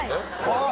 あっ！